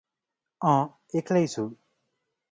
अँ एक्लै छु।